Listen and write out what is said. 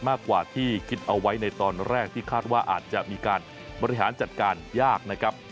มากกว่าที่ถูกคิดเอาไว้ในตอนแรกคัดว่าอาจจะมีการมรยาณจัดการยากใช้เวลาสำหรับประกัด